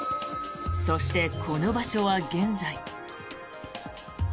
そして、この場所は現在。